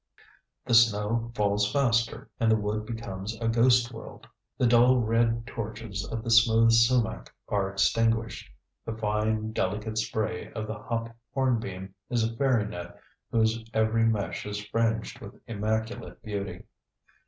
The snow falls faster and the wood becomes a ghost world. The dull red torches of the smooth sumac are extinguished. The fine, delicate spray of the hop hornbeam is a fairy net whose every mesh is fringed with immaculate beauty.